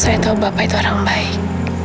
saya tahu bapak itu orang baik